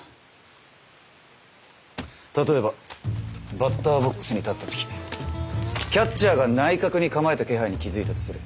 例えばバッターボックスに立った時キャッチャーが内角に構えた気配に気付いたとする。